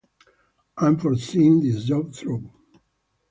I'm for seeing this job through.